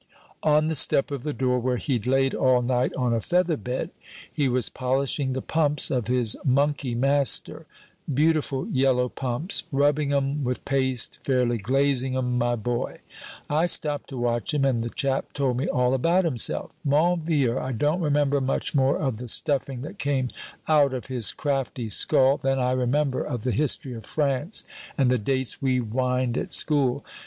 "On the step of the door where he'd laid all night on a feather bed, he was polishing the pumps of his monkey master beautiful yellow pumps rubbing 'em with paste, fairly glazing 'em, my boy. I stopped to watch him, and the chap told me all about himself. Mon vieux, I don't remember much more of the stuffing that came out of his crafty skull than I remember of the History of France and the dates we whined at school.